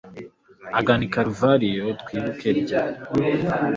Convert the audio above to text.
agana i karuvariyo, twibuke rya